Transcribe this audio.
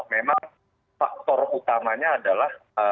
memang faktor utamanya adalah